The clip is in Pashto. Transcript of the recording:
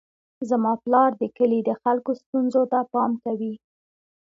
زما پلار د کلي د خلکو ستونزو ته پام کوي.